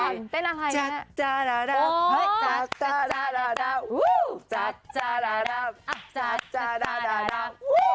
ยังไงยังไง